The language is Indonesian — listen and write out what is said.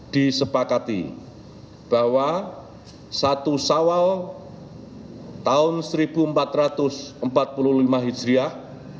disepakati bahwa satu sawal tahun seribu empat ratus empat puluh lima hijriah